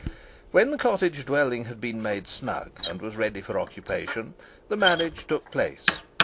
When the cottage dwelling had been made snug, and was ready for occupation, the marriage took place.